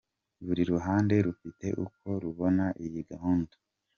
Buri ruhande rufite uko rubona iyi gahunda.